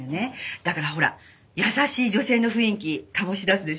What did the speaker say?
だからほら優しい女性の雰囲気醸し出すでしょ？